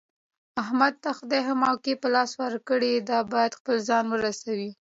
احمد ته خدای ښه موقع په لاس ورکړې ده، باید خپل ځان ورسوي.